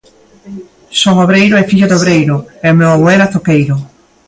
Son obreiro e fillo de obreiro e o meu avó era zoqueiro.